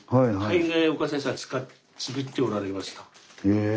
へえ。